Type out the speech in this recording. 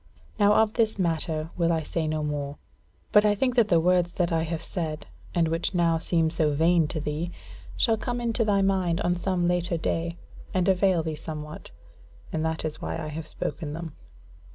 Now of this matter will I say no more; but I think that the words that I have said, and which now seem so vain to thee, shall come into thy mind on some later day, and avail thee somewhat; and that is why I have spoken them.